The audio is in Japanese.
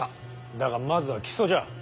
だがまずは木曽じゃ。